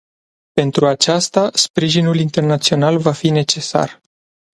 Pentru aceasta, sprijinul internațional va fi necesar.